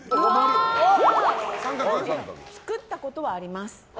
作ったことはあります。